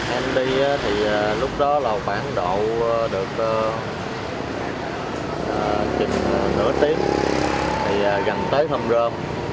anh đi thì lúc đó là khoảng độ được tìm nửa tiếng thì gần tới thơm rơm